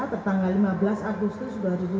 tanggal lima belas agustus dua ribu dua puluh dua